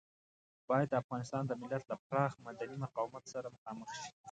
بايد د افغانستان د ملت له پراخ مدني مقاومت سره مخامخ شي.